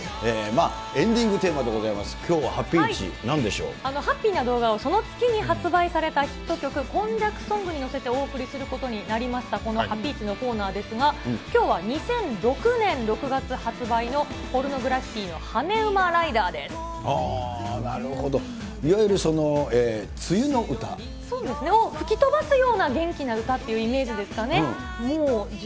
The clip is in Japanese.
エンディングテーマでございます、動画をその月に発売されたヒット曲、今昔ソングに乗せてお送りすることになりました、このハピイチのコーナーですが、きょうは２００６年６月発売のポルノグラフィティのハネウマライなるほど、そうですね、吹き飛ばすような元気な歌っていうイメージですかね。